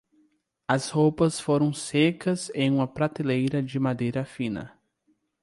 As roupas foram secas em uma prateleira de madeira fina.